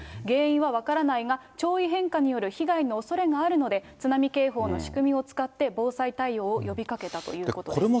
原因は分からないが、潮位変化による被害のおそれがあるので、津波警報の仕組みを使って防災対応を呼びかけたということです。